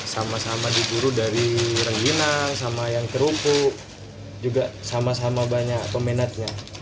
sama sama diburu dari renggina sama yang kerupuk juga sama sama banyak pemenatnya